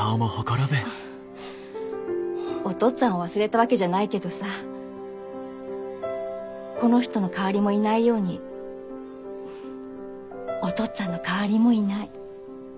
お父っつぁんを忘れたわけじゃないけどさこの人の代わりもいないようにお父っつぁんの代わりもいない。